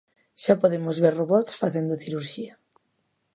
Xa podemos ver robots facendo cirurxía.